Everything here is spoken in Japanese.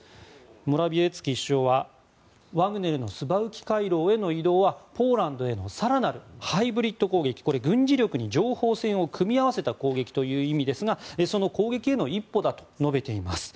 モラビエツキ首相はワグネルのスバウキ回廊への移動はポーランドへの更なるハイブリッド攻撃これ、軍事力に情報戦を組み合わせた攻撃という意味ですがその攻撃への一歩だと述べています。